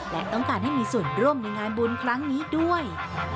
และต้องการให้มีส่วนร่วมในงานบุญครั้งนี้ด้วย